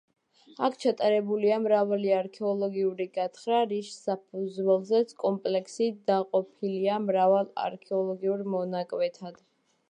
აქ ჩატარებულია მრავალი არქეოლოგიური გათხრა, რის საფუძველზეც, კომპლექსი დაყოფილია მრავალ არქეოლოგიურ მონაკვეთად.